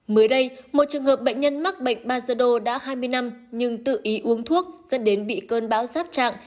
mới đây một trường hợp bệnh nhân mắc bệnh bai ra đầu đã hai mươi năm nhưng tự ý uống thuốc dẫn đến bị cơn bão giáp trạng